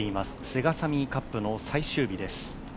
セガサミーカップの最終日です。